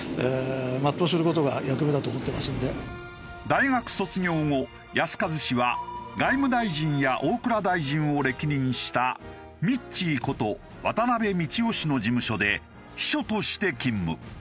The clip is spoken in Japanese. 大学卒業後靖一氏は外務大臣や大蔵大臣を歴任したミッチーこと渡辺美智雄氏の事務所で秘書として勤務。